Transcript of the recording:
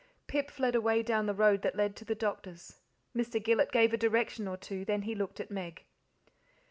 Pip fled away down the road that led to the doctor's. Mr. Gillet gave a direction or two, then he looked at Meg.